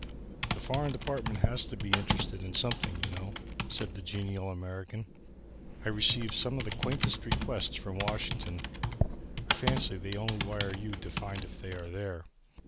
"The Foreign Department has to be interested in something, you know," said the genial American. "I receive some of the quaintest requests from Washington; I rather fancy they only wire you to find if they are there."